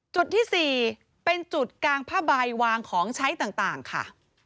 จุดที่๔เป็นจุดกางผ้าใบวางของใช้ต่างค่ะ